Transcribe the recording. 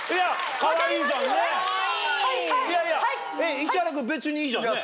市原君別にいいじゃんね？